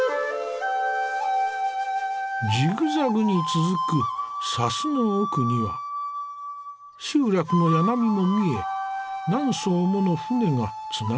ジグザグに続く砂州の奥には集落の家並みも見え何艘もの舟がつながれている。